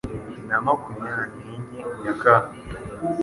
na makumya nenye nyakanga